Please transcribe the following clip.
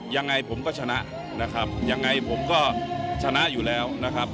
ยังไงผมก็ชนะนะครับยังไงผมก็ชนะอยู่แล้วนะครับ